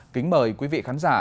kính mời quý vị khán giả